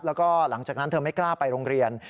แล้วก็หลังจากนั้นเธอไม่กล้าไปโรงเรียน